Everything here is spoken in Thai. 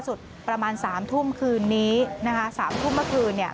สุดประมาณสามทุ่มคืนนี้นะคะสามทุ่มเมื่อคืนเนี่ย